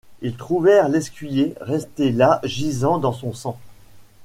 Ils trouvèrent Lescuyer resté là gisant dans son sang.